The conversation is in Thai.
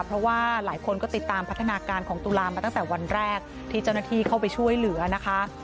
เพราะว่าหลายคนก็ติดตามพัฒนาการของตุลามาตั้งแต่วันแรกที่เจ้าหน้าที่เข้าไปช่วยเหลือนะคะ